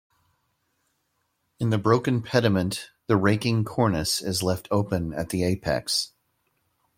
In the broken pediment the raking cornice is left open at the apex.